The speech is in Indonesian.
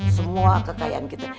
semua kekayaan kita